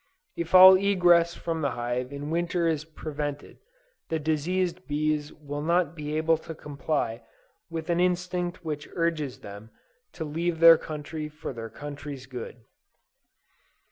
If all egress from the hive in Winter is prevented, the diseased bees will not be able to comply with an instinct which urges them "To leave their country for their country's good."